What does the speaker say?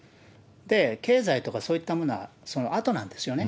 経済とかそういったものは、そのあとなんですよね。